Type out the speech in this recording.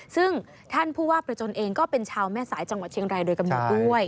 ซึ่งท่านผู้ว่าประจนเองก็เป็นชาวแม่สายจังหวัดเชียงรายโดยกำหนดด้วย